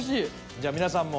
じゃあ皆さんも。